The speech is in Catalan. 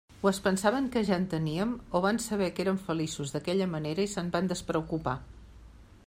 O es pensaven que ja en teníem, o van saber que érem feliços d'aquella manera i se'n van despreocupar.